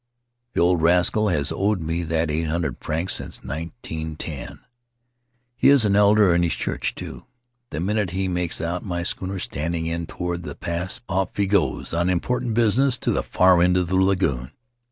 The old rascal has owed me that eight hundred francs since nineteen ten. He is an elder in his church too. The minute he makes out my schooner standing in toward the pass off he goes on important business to the far end of the lagoon.